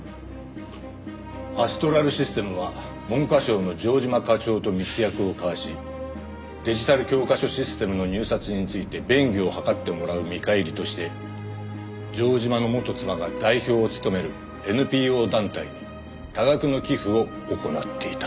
「アストラルシステムは文科省の城島課長と密約を交わしデジタル教科書システムの入札について便宜を図ってもらう見返りとして城島の元妻が代表を務めるＮＰＯ団体に多額の寄付を行っていた」